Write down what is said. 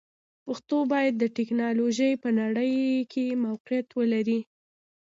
پښتو باید د ټکنالوژۍ په نړۍ کې موقعیت ولري.